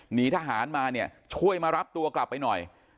หนีทหารมาเนี่ยช่วยมารับตัวกลับไปหน่อย